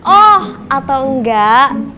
oh atau enggak